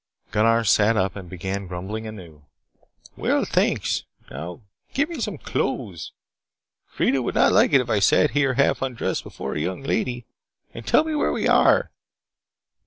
Gunnar sat up and began grumbling anew: "Well, thanks. Now, get me some clothes. Freida would not like it if I sat here half undressed before a young lady. And tell me where we are?"